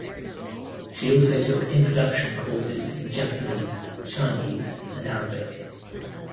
She also took introduction courses in Japanese, Chinese and Arabic.